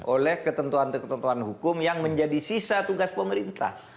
oleh ketentuan ketentuan hukum yang menjadi sisa tugas pemerintah